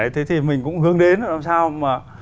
thế thì mình cũng hướng đến là làm sao mà